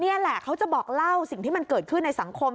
นี่แหละเขาจะบอกเล่าสิ่งที่มันเกิดขึ้นในสังคม